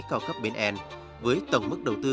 cao cấp bên n với tổng mức đầu tư